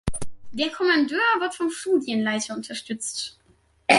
Der Kommandeur wird vom Studienleiter unterstützt.